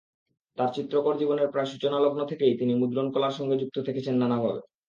তাঁর চিত্রকর জীবনের প্রায় সূচনালগ্ন থেকেই তিনি মুদ্রণকলার সঙ্গে যুক্ত থেকেছেন নানাভাবে।